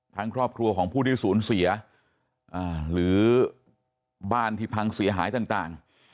ครอบครัวของผู้ที่สูญเสียหรือบ้านที่พังเสียหายต่าง